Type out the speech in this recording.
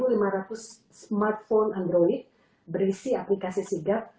kami memiliki smartphone android berisi aplikasi sigap